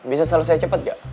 bisa selesai cepet gak